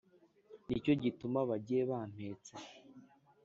ni cyo gituma bagiye bampetse!